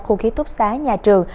khu ký túc xá nhà trường